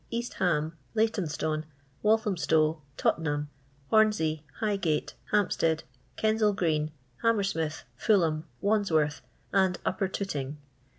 East Ham, Laytonstone, Walthamstow, Totten ham, Homsey, Highgate, Hampstead, Eensall green. Hammersmith, Fulham, Wandsworth, and Upper Tooting.